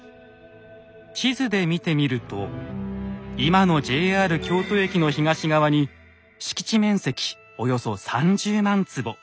地図で見てみると今のＪＲ京都駅の東側に敷地面積およそ３０万坪。